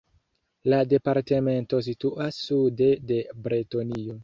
La departemento situas sude de Bretonio.